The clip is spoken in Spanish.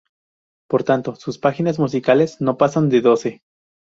Por tanto, sus páginas musicales no pasan de doce.